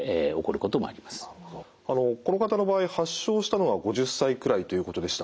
この方の場合発症したのは５０歳くらいということでした。